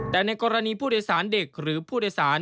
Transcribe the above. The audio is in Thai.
แต่ในกรณีผู้โดยสารเด็กหรือผู้โดยสาร